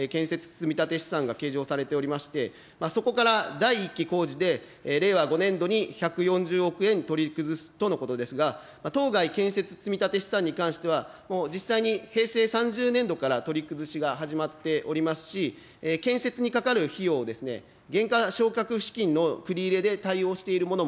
積立資産が計上されておりまして、そこから第１期工事で、令和５年度に１４０億円取り崩すとのことですが、当該建設積立資産に関しては、もう実際に平成３０年度から取り崩しが始まっておりますし、建設にかかる費用ですね、減価償却資金の繰り入れで対応しているものもあります。